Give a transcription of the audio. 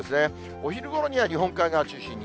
お昼ごろには日本海側中心に。